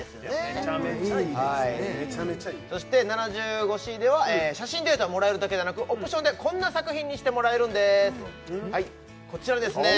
めちゃめちゃいいそして７５ｃでは写真データをもらえるだけではなくオプションでこんな作品にしてもらえるんですはいこちらですね